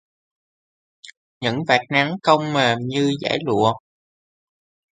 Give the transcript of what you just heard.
Những vạt nắng cong mềm như dải lụa